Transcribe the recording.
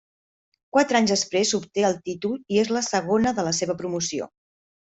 Quatre anys després obté el títol i és la segona de la seva promoció.